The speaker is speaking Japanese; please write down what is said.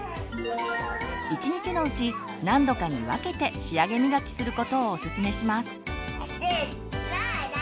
１日のうち何度かに分けて仕上げみがきすることをオススメします。